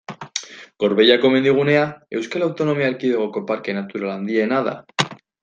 Gorbeiako mendigunea Euskal Autonomia Erkidegoko parke natural handiena da.